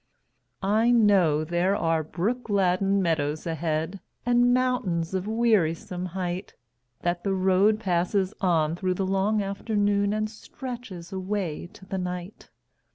I know there are brook gladdened meadows ahead, And mountains of wearisome height; That the road passes on through the long afternoon And stretches away to the night.